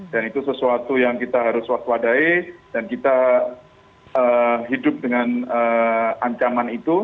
dan itu sesuatu yang kita harus waswadai dan kita hidup dengan ancaman itu